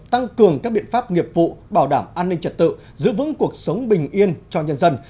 tăng cường các biện pháp nghiệp vụ bảo đảm an ninh trật tự giữ vững cuộc sống bình yên cho nhân dân